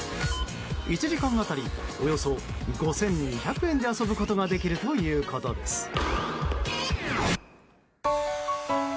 １時間当たりおよそ５２００円で遊ぶことができるということです。